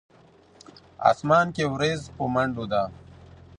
اسمان کښې وريځ پۀ منډو ده